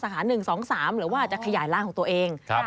๑๒๓หรือว่าจะขยายร่างของตัวเอง